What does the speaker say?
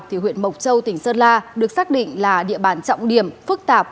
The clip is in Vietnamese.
thì huyện mộc châu tỉnh sơn la được xác định là địa bàn trọng điểm phức tạp